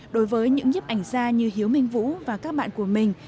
đối với những nhếp ảnh gia như hiếu minh vũ và các bạn của mình